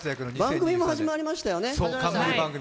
番組も始まりましたよね。